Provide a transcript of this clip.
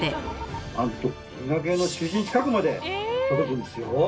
なんと銀河系の中心近くまで届くんですよ。